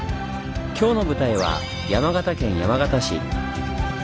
今日の舞台は山形県山形市。